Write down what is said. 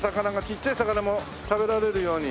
ちっちゃい魚も食べられるように。